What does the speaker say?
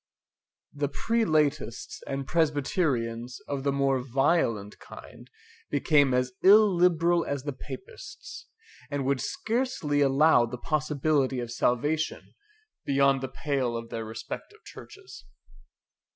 The Prelatists and Presbyterians of the more violent kind became as illiberal as the Papists, and would scarcely allow the possibility of salvation beyond the pale of their respective churches.